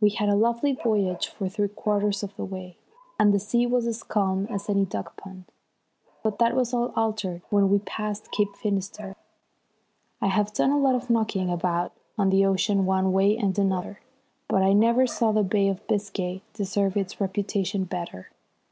We had a lovely voyage for three quarters of the way, and the sea was as calm as any duck pond. But that was all altered when we passed Cape Finisterre. I have done a lot of knocking about on the ocean one way and another, but I never saw the Bay of Biscay deserve its reputation better.